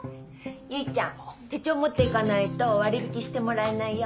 結ちゃん手帳持って行かないと割引してもらえないよ。